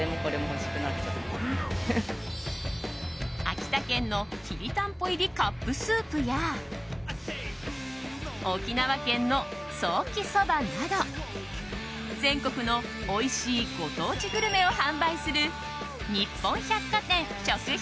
秋田県のきりたんぽ入りカップスープや沖縄県のソーキそばなど全国のおいしいご当地グルメを販売する日本百貨店しょく